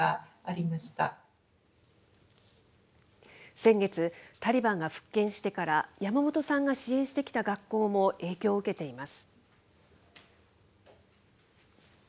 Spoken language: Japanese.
先月、タリバンが復権してから、山本さんが支援してきた学校も影響を受けています。